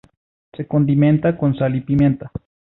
Se condimenta con sal y pimienta.